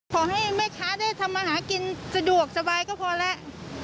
ขอให้แม่ค้าได้ทำมาหากินสะดวกสบายก็พอแล้ว